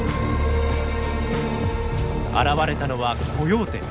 現れたのはコヨーテ。